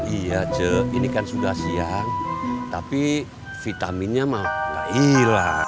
iya cu ini kan sudah siang tapi vitaminnya mah gak hilang